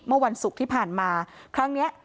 เมื่อวันศุกร์ที่ผ่านมาครั้งนี้